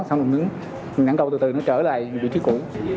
xong mình nhãn cầu từ từ nó trở lại vị trí cũ